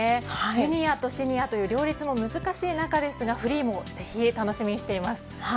ジュニアとシニアという両立も難しい中ですがフリーもぜひ楽しみにしています。